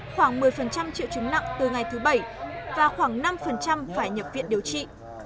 khoảng một mươi triệu chứng nặng từ ngày thứ bảy và khoảng năm phải nhập viện điều trị